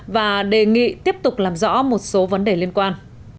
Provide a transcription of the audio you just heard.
và đề nghị tiếp tục làm rõ một số vấn đề liên quan